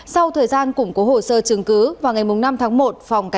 sau thời gian củng của hồ sơ chứng cứ vào ngày năm tháng một